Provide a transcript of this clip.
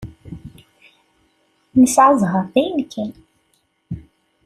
Nesεa ẓẓher dayen kan.